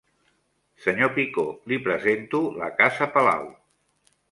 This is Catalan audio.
Senyor Picó, li presento la Casa Palau.